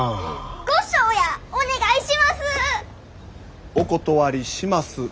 お願いします！